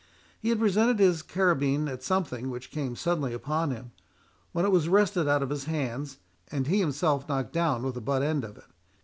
He had presented his carabine at something which came suddenly upon him, when it was wrested out of his hands, and he himself knocked down with the butt end of it.